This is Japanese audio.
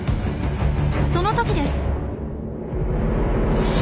その時です！